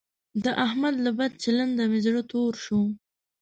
د احمد له بد چلنده مې زړه تور شو.